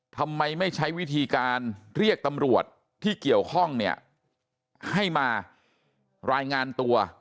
ทำไมไม่ใช้วิธีการเรียกตำรวจที่เกี่ยวข้องเนี่ยให้มารายงานตัว